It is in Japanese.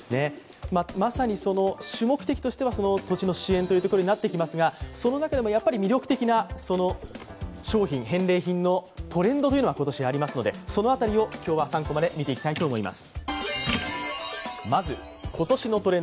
まさに主目的は、土地の支援になってきますが、その中でもやはり魅力的な商品、返礼品のトレンドというのが今年ありますので、その辺りを今日は３コマで見ていきたいと思います。